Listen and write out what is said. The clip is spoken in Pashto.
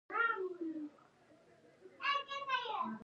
او پر خلکو یې مالیه حواله کړه.